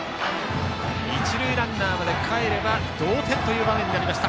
一塁ランナーまでかえれば同点という場面になりました。